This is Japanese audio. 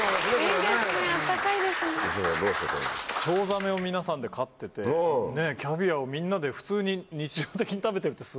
チョウザメを皆さんで飼っててキャビアをみんなで普通に日常的に食べてるってスゴい。